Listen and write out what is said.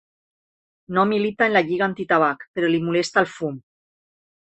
No milita en la lliga antitabac, però li molesta el fum.